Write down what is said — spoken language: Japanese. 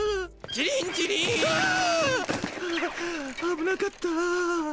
あぶなかった。